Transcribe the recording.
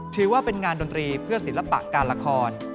ถือว่าเป็นงานดนตรีเพื่อศิลปะการละคร